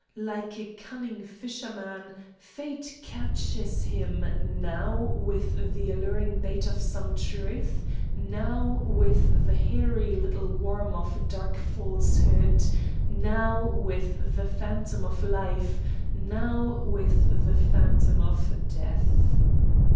Like a cunning fisherman, fate catches him now with the alluring bait of some truth, now with the hairy little worm of dark falsehood, now with the phantom of life, now with the phantom of death.